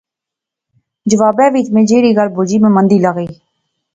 جوابے وچ میں جہیڑی گل بجی میں مندی لغی